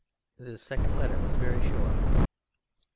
This second letter was very short.